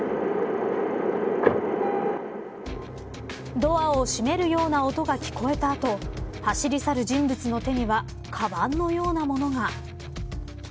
ドアを閉めるような音が聞こえた後走り去る人物の手にはかばんのようなものが。